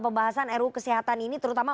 pembahasan ruu kesehatan ini terutama